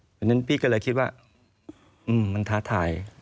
เพราะฉะนั้นพี่ก็เลยคิดว่ามันท้าทาย